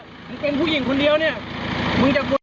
ถ้าเรามีปัญหากับตำรวจมันก็จะไม่จมไปสิ้น